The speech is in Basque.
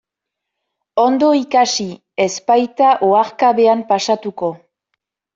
Ondo ikasi, ez baita oharkabean pasatuko.